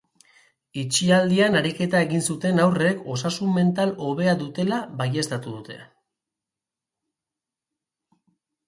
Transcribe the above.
Itxialdian ariketa egin zuten haurrek osasun mental hobea dutela baieztatu dute